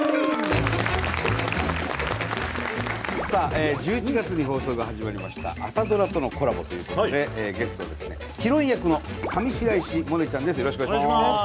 さあ１１月に放送が始まりました朝ドラとのコラボということでゲストはですねヒロイン役の上白石萌音ちゃんです。